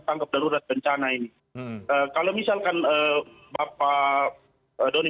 tanggap darurat bencana ini kalau misalkan bapak doni